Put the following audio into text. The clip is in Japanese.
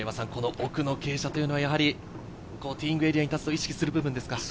奥の傾斜というのは、やはりティーイングエリアにだすと意識する部分ですか？